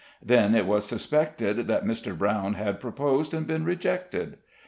Then it was suspected that Mr. Brown had proposed and been rejected.